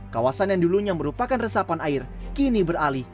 kawasan yang dulunya merupakan resapan air kini beralih